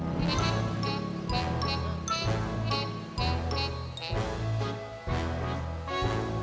อ๋อไอ้ไอ้ไอ้แยวค่ะ